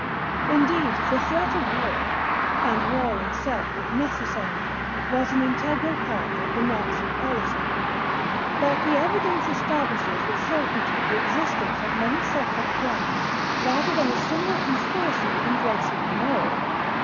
Indeed the threat of war—and war itself if necessary—was an integral part of the Nazi policy. But the evidence establishes with certainty the existence of many separate plans rather than a single conspiracy embracing them all.